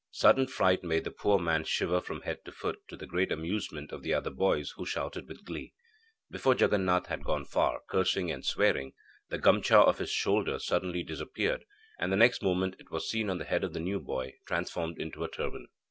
Sudden fright made the poor man shiver from head to foot, to the great amusement of the other boys, who shouted with glee. Before Jaganath had gone far, cursing and swearing, the gamcha on his shoulder suddenly disappeared, and the next moment it was seen on the head of the new boy, transformed into a turban.